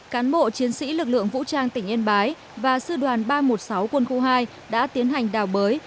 cán bộ chiến sĩ lực lượng vũ trang tỉnh yên bái và sư đoàn ba trăm một mươi sáu quân khu hai đã tiến hành đào bới